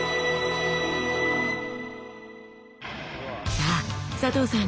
さあ佐藤さん